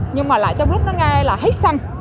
nhưng mà lại trong lúc nó nghe là hết xanh